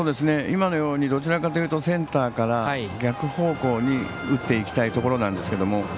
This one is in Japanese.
今のようにどちらかというとセンターから逆方向に打っていきたいところなんですが。